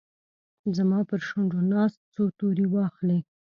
زما پرشونډو ناست، څو توري واخلې